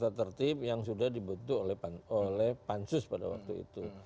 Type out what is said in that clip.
tata tertib yang sudah dibentuk oleh pansus pada waktu itu